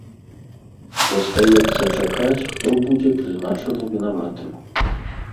Застаецца чакаць, хто будзе прызначаны вінаватым.